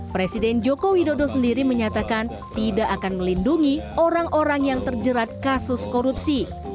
presiden joko widodo sendiri menyatakan tidak akan melindungi orang orang yang terjerat kasus korupsi